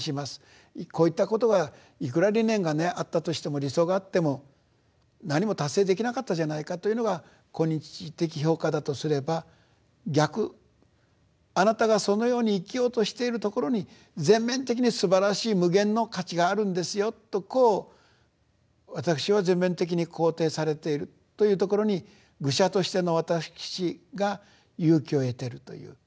こういったことがいくら理念がねあったとしても理想があっても何も達成できなかったじゃないかというのが今日的評価だとすれば逆あなたがそのように生きようとしているところに全面的にすばらしい無限の価値があるんですよとこう私は全面的に肯定されているというところに愚者としての私が勇気を得てるという。